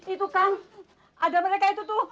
itu kan ada mereka itu tuh